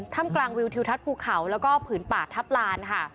ถ้ำกลางวิวทิวทัศน์ภูเขาแล้วก็ผืนป่าทัพลานค่ะ